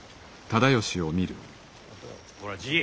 ほらじい。